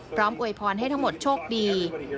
พร้อมอวยพรให้ทั้งหมดโชคดี